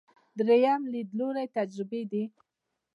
درېیم لیدلوری تجربي دی.